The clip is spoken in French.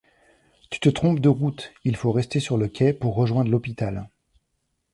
Tu te trompes de route, il faut rester sur le quai pour rejoindre l’hôpital.